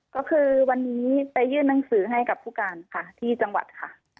ก็คือวันนี้ไปยื่นหนังสือให้กับผู้การค่ะที่จังหวัดค่ะ